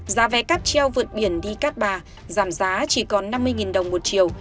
giá vé cắt treo vượt biển đi cát bà giảm giá chỉ còn năm mươi đồng một chiều